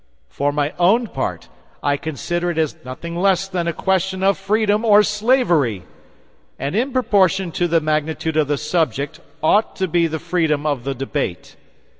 For my own part, I consider it as nothing less than a question of freedom or slavery; and in proportion to the magnitude of the subject ought to be the freedom of the debate.